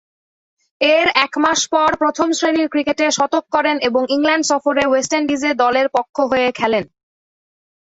এর একমাস পর প্রথম-শ্রেণীর ক্রিকেটে শতক করেন এবং ইংল্যান্ড সফরে ওয়েস্ট ইন্ডিজ এ দলের পক্ষ হয়ে খেলেন।